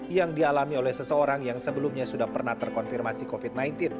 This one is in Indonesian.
yang dialami oleh seseorang yang sebelumnya sudah pernah terkonfirmasi covid sembilan belas